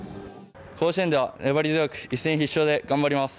甲子園では粘り強く一戦必勝で頑張ります。